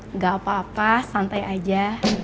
nggak apa apa santai aja